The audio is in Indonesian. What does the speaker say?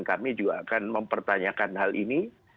kami juga akan mempertanyakan hal ini